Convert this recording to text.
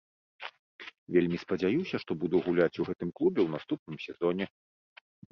Вельмі спадзяюся, што буду гуляць у гэтым клубе ў наступным сезоне.